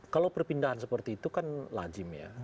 kalau perpindahan seperti itu kan lazim ya